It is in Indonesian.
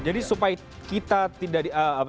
jadi supaya kita tidak